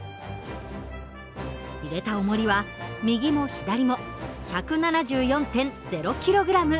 入れたおもりは右も左も１７４．０ｋｇ。